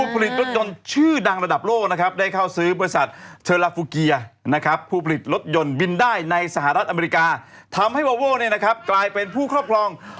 เพราะว่าพี่วัวว่าเนี่ยนะครับกลายเป็นผู้ครอบครอง